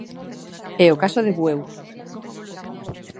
É o caso de Bueu.